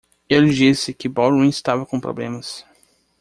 Eu lhe disse que Baldwin estava com problemas.